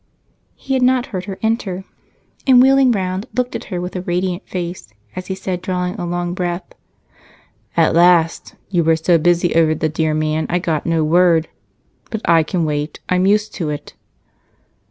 He had not heard her enter, and wheeling around, looked at her with a radiant face as he said, drawing a long breath, "At last! You were so busy over the dear man, I got no word. But I can wait I'm used to it."